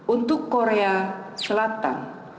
untuk korea selatan